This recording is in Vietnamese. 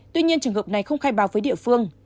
tuy nhiên trường hợp này không khai báo với địa phương